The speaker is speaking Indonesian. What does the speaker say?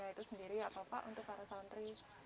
ya itu sendiri ya pak untuk para santri